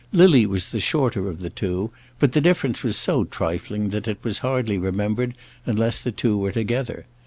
Lily was the shorter of the two, but the difference was so trifling that it was hardly remembered unless the two were together.